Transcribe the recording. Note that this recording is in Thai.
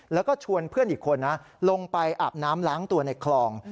แล้วก็ชวนเพื่อนอีกคนนะลงไปอาบน้ำล้างตัวในคลอง